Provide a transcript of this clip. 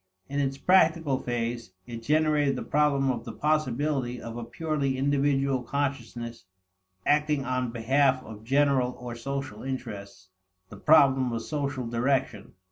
In its practical phase, it generated the problem of the possibility of a purely individual consciousness acting on behalf of general or social interests, the problem of social direction.